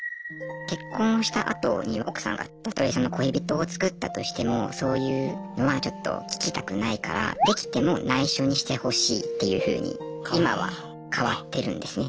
結婚したあとに奥さんがたとえ恋人を作ったとしてもそういうのはちょっと聞きたくないからっていうふうに今は変わってるんですね。